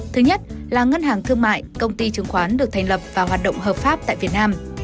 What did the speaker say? thứ nhất là ngân hàng thương mại công ty chứng khoán được thành lập và hoạt động hợp pháp tại việt nam